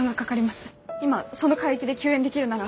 今その海域で救援できるなら。